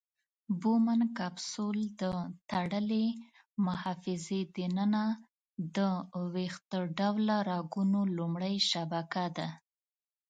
بومن کپسول د تړلې محفظې د ننه د ویښته ډوله رګونو لومړۍ شبکه ده.